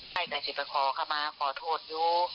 ใครก็จะไปขอเข้ามาขอโทษอยู่